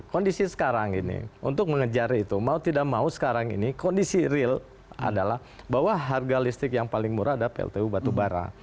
kondisi sekarang ini untuk mengejar itu mau tidak mau sekarang ini kondisi real adalah bahwa harga listrik yang paling murah ada pltu batubara